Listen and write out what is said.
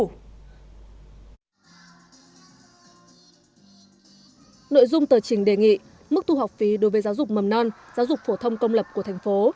nội dung tờ trình đề nghị mức thu học phí đối với giáo dục mầm non giáo dục phổ thông công lập của thành phố